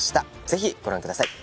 ぜひご覧ください